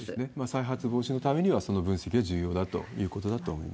再発防止のためには、その分析は重要だということだと思います。